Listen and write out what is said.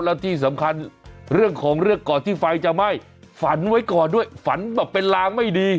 แล้วที่สำคัญเรื่องของเรื่องก่อนที่ไฟจะไหม้ฝันไว้ก่อนด้วยฝันแบบเป็นลางไม่ดี